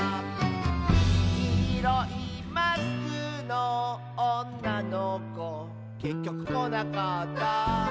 「きいろいマスクのおんなのこ」「けっきょくこなかった」